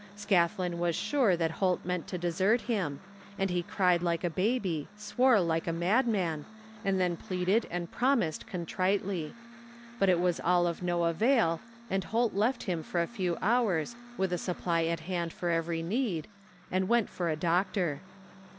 Scathlin was sure that Holt meant to desert him, and he cried like a baby, swore like a mad man, and then pleaded and promised contritely. But it was all of no avail and Holt left him for a few hours, with a supply at hand for every need, and went for a doctor.